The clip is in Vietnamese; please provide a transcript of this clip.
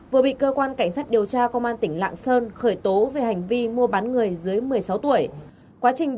vừa bị cơ quan cảnh sát điều tra công an tỉnh lạng sơn khởi tố về hành vi mua bán người dưới một mươi sáu tuổi